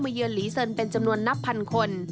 เยือนหลีเซินเป็นจำนวนนับพันคน